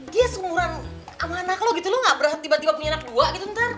dia seurang sama anak lo gitu lo gak tiba tiba punya anak dua gitu ntar